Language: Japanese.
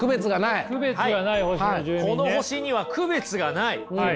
この星には区別がない。